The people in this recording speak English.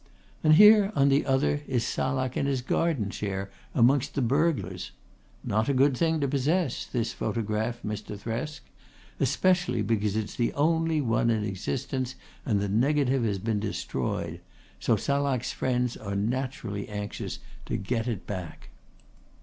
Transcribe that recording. And here on the other is Salak in his garden chair amongst the burglars. Not a good thing to possess this photograph, Mr. Thresk. Especially because it's the only one in existence and the negative has been destroyed. So Salak's friends are naturally anxious to get it back."